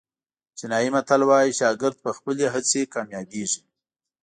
چینایي متل وایي شاګرد په خپلې هڅې کامیابېږي.